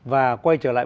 và quay trở lại